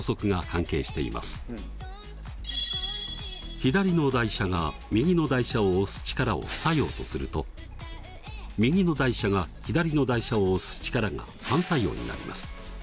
左の台車が右の台車を押す力を作用とすると右の台車が左の台車を押す力が反作用になります。